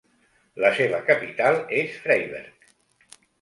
La seva capital és Freiberg.